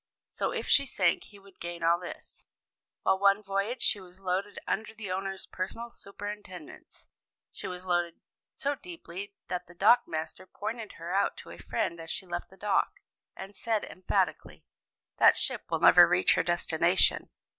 So if she sank he would gain all this. Well, one voyage she was loaded under the owner's personal superintendence; she was loaded so deeply that the dockmaster pointed her out to a friend as she left the dock, and said emphatically, 'That ship will never reach her destination.